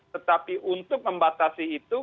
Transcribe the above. tetapi untuk membatasi itu